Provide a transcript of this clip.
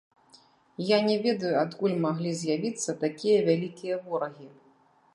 Я не ведаю, адкуль маглі з'явіцца такія вялікія ворагі.